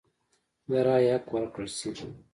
د رایې حق ورکړل شي.